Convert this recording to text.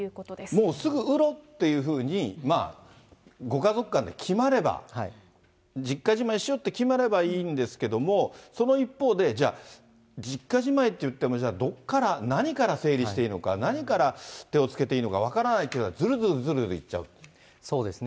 もうすぐ売ろうというふうに、ご家族間で決まれば、実家じまいしようって決まればいいんですけれども、その一方で、じゃあ、実家じまいといっても、じゃあ、どこから、何から整理していいのか、何から手をつけていいのか分からないということで、そうですね。